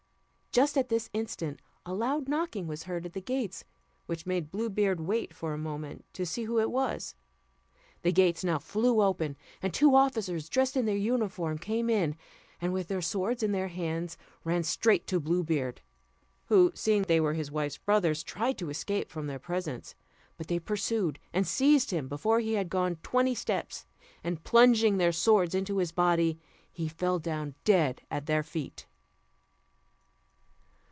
Just at this instant a loud knocking was heard at the gates, which made Blue Beard wait for a moment to see who it was. The gates now flew open, and two officers, dressed in their uniform, came in, and, with their swords in their hands, ran straight to Blue Beard, who, seeing they were his wife's brothers, tried to escape from their presence; but they pursued and seized him before he had gone twenty steps, and plunging their swords into his body he fell down dead at their feet.